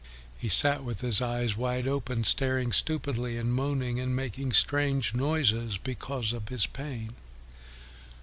He sat with his eyes wide open, staring stupidly and moaning and making strange noises because of his pain.